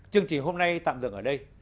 chương trình hôm nay tạm dừng ở đây